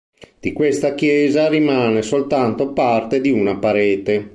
Di questa chiesa rimane soltanto parte di una parete.